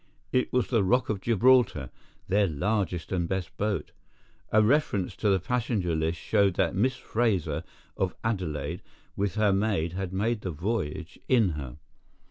It was the Rock of Gibraltar, their largest and best boat. A reference to the passenger list showed that Miss Fraser, of Adelaide, with her maid had made the voyage in her.